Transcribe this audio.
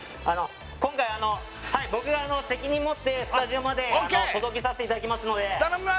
今回僕が責任持ってスタジオまで届けさせていただきますので頼みます